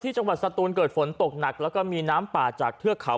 จังหวัดสตูนเกิดฝนตกหนักแล้วก็มีน้ำป่าจากเทือกเขา